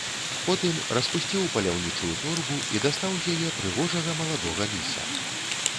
Потым распусціў паляўнічую торбу і дастаў з яе прыгожага маладога ліса.